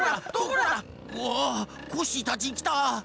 わあコッシーたちきた！